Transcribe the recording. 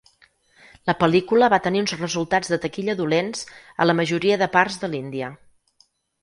La pel·lícula va tenir uns resultats de taquilla dolents a la majoria de parts de l'Índia.